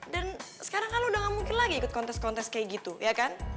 dan sekarang kan lo udah gak mungkin lagi ikut kontes kontes kayak gitu ya kan